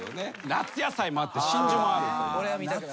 「夏野菜」もあって「真珠」もある。